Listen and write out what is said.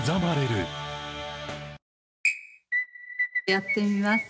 やってみます